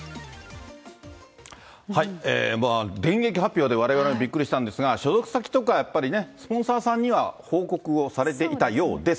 電撃発表で、われわれもびっくりしたんですが、所属先とかやっぱりね、スポンサーさんには報告されていたようです。